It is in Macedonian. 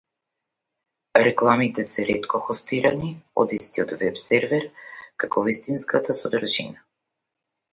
Рекламите се ретко хостирани од истиот веб-сервер како вистинската содржина.